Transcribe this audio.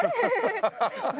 ハハハハ！